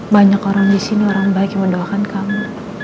banyak orang di sini orang baik yang mendoakan kamu